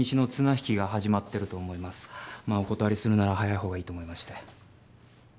まあお断りするなら早いほうがいいと思いまして。